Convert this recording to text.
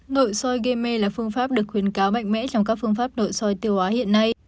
nội soi gây mê là phương pháp được khuyến cáo mạnh mẽ trong các phương pháp nội soi tiêu hóa hiện nay